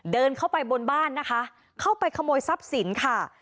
เดินเข้าไปบนบ้านนะคะเข้าไปขโมยทรัพย์สินค่ะ